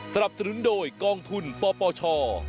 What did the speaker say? สนับสนุนโดยกองทุนปปช